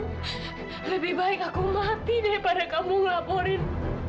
lebih baik aku mati daripada kamu laporin